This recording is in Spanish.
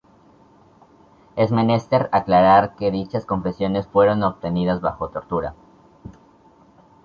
Es menester aclarar que dichas confesiones fueron obtenidas bajo tortura.